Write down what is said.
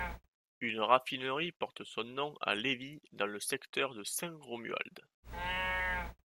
Une Raffinerie porte son nom à Lévis dans le secteur de Saint-Romuald.